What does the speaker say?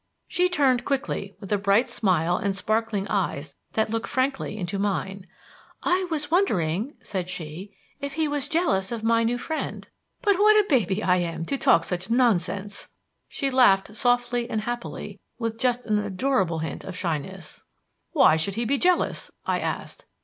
She turned quickly with a bright smile and sparkling eyes that looked frankly into mine. "I was wondering," said she, "if he was jealous of my new friend. But what a baby I am to talk such nonsense!" She laughed softly and happily with just an adorable hint of shyness. "Why should he be jealous?" I asked.